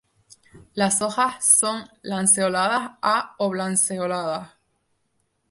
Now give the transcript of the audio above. Las hojas son lanceoladas a oblanceoladas.